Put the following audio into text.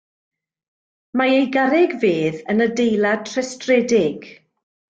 Mae ei garreg fedd yn adeilad rhestredig.